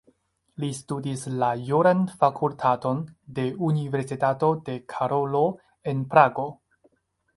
Li studis la juran fakultaton de Universitato de Karolo en Prago.